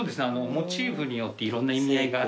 モチーフによっていろんな意味合いが。